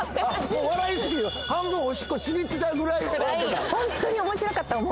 もう笑いすぎて半分おしっこちびってたぐらい笑ってた？